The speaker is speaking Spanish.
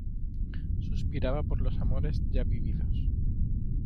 suspiraba por los amores ya vividos